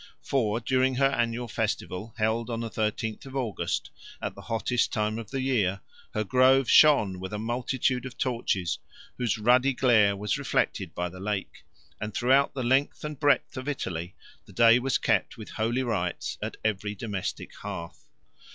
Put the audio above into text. For during her annual festival, held on the thirteenth of August, at the hottest time of the year, her grove shone with a multitude of torches, whose ruddy glare was reflected by the lake; and throughout the length and breadth of Italy the day was kept with holy rites at every domestic hearth.